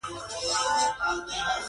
پر وښو اوږد وغځېدم، په وړوکې کړکۍ کې مې.